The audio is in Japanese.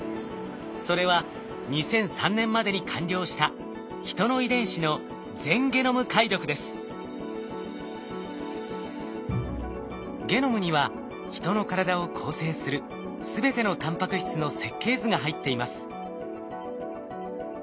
それは２００３年までに完了した人の遺伝子のゲノムには人の体を構成する全てのタンパク質の設計図が入っています。